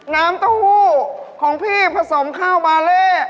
น้ำเต้าหู้ของพี่ผสมข้าวบาเล่